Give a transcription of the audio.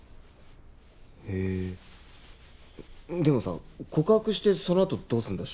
へえでもさ告白してそのあとどうすんだ？